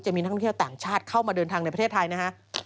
มีนักท่องเที่ยวต่างชาติเข้ามาเดินทางในประเทศไทยนะฮะ